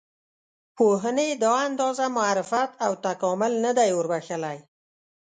پوهنې دا اندازه معرفت او تکامل نه دی وربښلی.